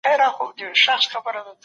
زه هر وخت هڅه کوم چي زده کړه وکړم.